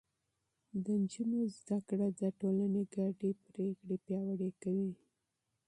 د نجونو تعليم د ټولنې ګډې پرېکړې پياوړې کوي.